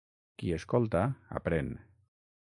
Qui escolta aprèn.